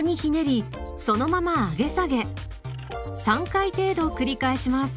３回程度繰り返します。